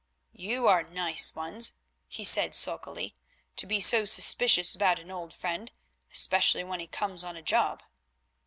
"You are nice ones," he said sulkily, "to be so suspicious about an old friend, especially when he comes on a job."